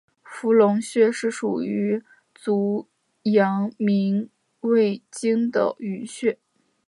伏兔穴是属于足阳明胃经的腧穴。